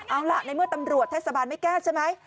เอาล่ะในเมื่อตำรวจเทศบาลไม่แก้ใช่ไหม